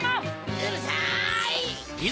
うるさい！